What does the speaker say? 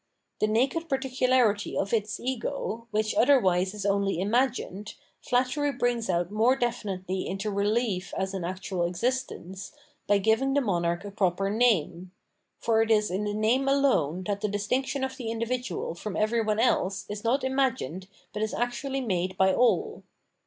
The naked particrdarity of its ego, which otherwise is only imagined, flattery brings out more definitely into relief as an actual existence, by giving the monarch a proper name. For it is in the name alone that the distinction of the individual from every one else is not imagined but is actually made by all.